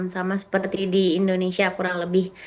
sama seperti di indonesia kurang lebih